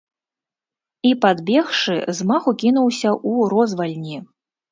І, падбегшы, з маху кінуўся ў розвальні.